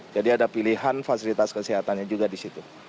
jadi ada pilihan fasilitas kesehatannya juga di situ